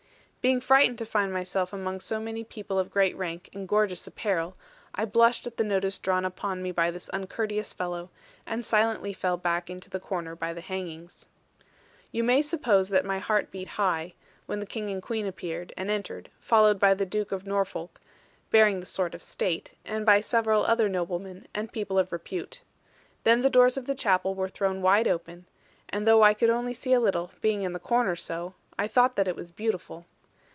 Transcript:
Being frightened to find myself among so many people of great rank and gorgeous apparel, I blushed at the notice drawn upon me by this uncourteous fellow; and silently fell back into the corner by the hangings. You may suppose that my heart beat high, when the King and Queen appeared, and entered, followed by the Duke of Norfolk, bearing the sword of state, and by several other noblemen, and people of repute. Then the doors of the chapel were thrown wide open; and though I could only see a little, being in the corner so, I thought that it was beautiful.